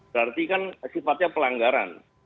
berarti kan sifatnya pelanggaran